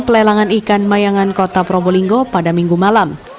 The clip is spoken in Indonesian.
pelelangan ikan mayangan kota probolinggo pada minggu malam